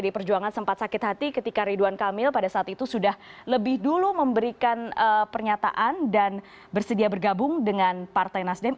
pdi perjuangan sempat sakit hati ketika ridwan kamil pada saat itu sudah lebih dulu memberikan pernyataan dan bersedia bergabung dengan partai nasdem